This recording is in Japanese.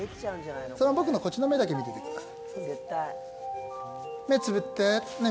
僕のこっちの目だけ見てください。